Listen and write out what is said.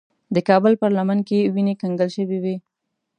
د کابل پر لمن کې وینې کنګل شوې وې.